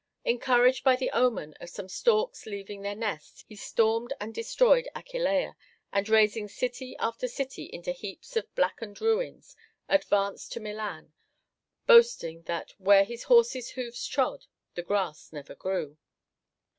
Encouraged by the omen of some storks leaving their nest, he stormed and destroyed Aquileia, and, razing city after city into heaps of blackened ruins, advanced to Milan, boasting that "where his horses' hoofs trod the grass never grew."